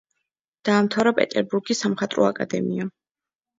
დაამთავრა პეტერბურგის სამხატვრო აკადემია.